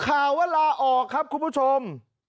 ข่าวว่าลาออกครับคุณผู้ชม